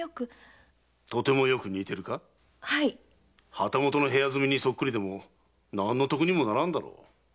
旗本の部屋住みにそっくりでも何の得にもならんだろう。